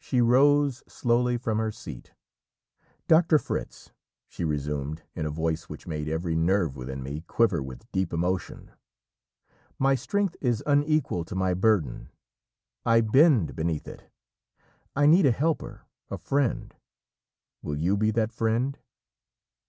She rose slowly from her seat. "Doctor Fritz," she resumed in a voice which made every nerve within me quiver with deep emotion, "my strength is unequal to my burden; I bend beneath it. I need a helper, a friend. Will you be that friend?"